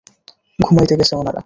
ঘুমাইতে গেসে ওনারা?